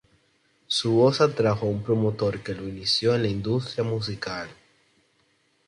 Su voz atrajo a un promotor que lo inició en la industria musical.